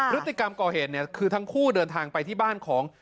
พฤติกรรมก่อเหตุเนี่ยคือทั้งคู่เดินทางไปที่บ้านของ